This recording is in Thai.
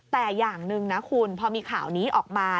แต่อย่างหนึ่งนะคุณพอมีข่าวนี้ออกมา